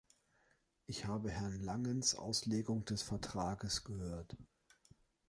Ich habe Herrn Langens Auslegung des Vertrages gehört.